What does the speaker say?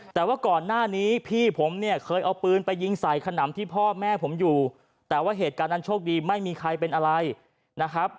แต่ว่าก่อนหน้านี้พี่ผมเนี่ยเคยเอาปืนไปยิงใส่ขนำที่พ่อแม่ผมอยู่แต่ว่าเหตุการณ์นั้นโชคดีไม่มีใครเป็นอะไรนะครับ